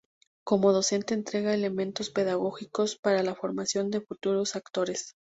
Como docente entrega elementos pedagógicos para la formación de futuros actores.